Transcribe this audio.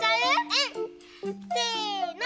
うん！せの！